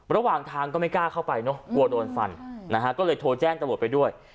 ระหว่างทางก็ไม่กล้าเข้าไปเนอะกลัวโดนฟันนะฮะก็เลยโทรแจ้งตำรวจไปด้วย